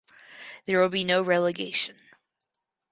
There will be no relegation.